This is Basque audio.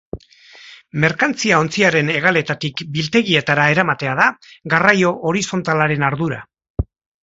Merkantzia ontziaren hegaletatik biltegietara eramatea da garraio horizontalaren ardura.